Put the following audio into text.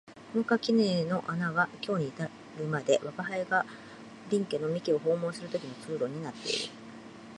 この垣根の穴は今日に至るまで吾輩が隣家の三毛を訪問する時の通路になっている